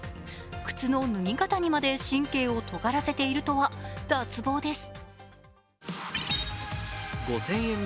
靴の脱ぎ方にまで神経を尖らせているとは脱帽です。